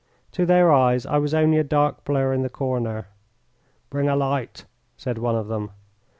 To their eyes I was only a dark blur in the corner. "Bring a light," said one of them.